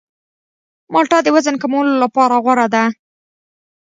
مالټه د وزن کمولو لپاره غوره ده.